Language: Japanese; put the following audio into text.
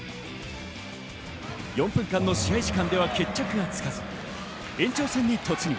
４分間の試合時間では決着がつかず、延長戦に突入。